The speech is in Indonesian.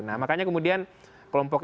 nah makanya kemudian kelompok